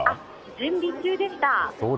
準備中でした。